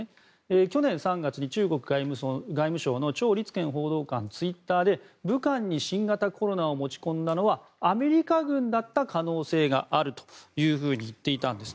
去年３月に中国外務省のチョウ・リツケン報道官がツイッターで武漢に新型コロナを持ち込んだのはアメリカ軍だった可能性があるというふうに言っていたんです。